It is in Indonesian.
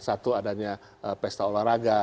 satu adanya pesta olahraga